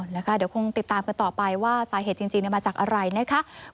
เดี๋ยวคงติดตามกันต่อไปว่าสาเหตุจริงมาจากอะไรนะคะ